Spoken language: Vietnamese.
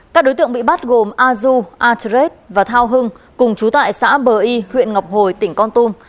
các đối tượng bị bắt gồm aju atret và thao hưng cùng chú tại xã bờ y huyện ngọc hồi tỉnh con tum